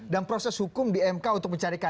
dan proses hukum di mk untuk mencari kemampuan